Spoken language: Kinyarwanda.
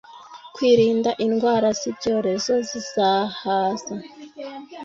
kwirinda indwara z'ibyorezo zizahaza